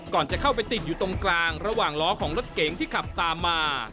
จะเข้าไปติดอยู่ตรงกลางระหว่างล้อของรถเก๋งที่ขับตามมา